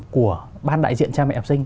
của ban đại diện cha mẹ học sinh